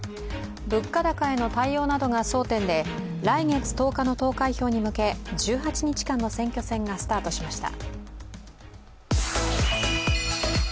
物価高の対応が争点で来月１０日の投開票に向け１８日間の選挙戦がスタートしました。